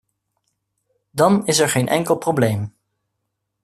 Dan is er geen enkel probleem.